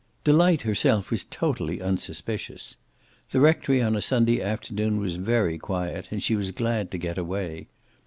Delight herself was totally unsuspicious. The rectory on a Sunday afternoon was very quiet, and she was glad to get away.